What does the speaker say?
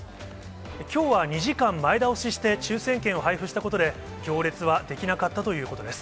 きょうは２時間前倒しして、抽せん券を配布したことで、行列は出来なかったということです。